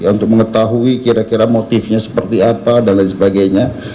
untuk mengetahui kira kira motifnya seperti apa dan lain sebagainya